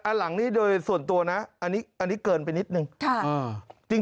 หลังนี้โดยส่วนตัวนะอันนี้เกินไปนิดนึง